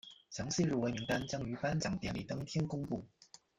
详细入围名单将于颁奖典礼当天公布。